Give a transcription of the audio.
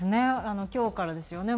今日からですよね。